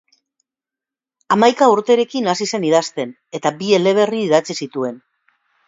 Hamaika urterekin hasi zen idazten, eta bi eleberri idatzi zituen.